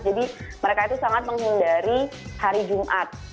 jadi mereka itu sangat menghindari hari jumat